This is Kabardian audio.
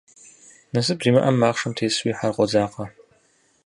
Насып зимыӏэм, махъшэм тесууи, хьэр къодзакъэ.